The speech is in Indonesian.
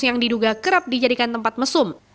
yang diduga kerap dijadikan tempat mesum